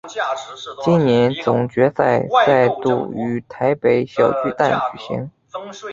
今年总决赛再度于台北小巨蛋举行。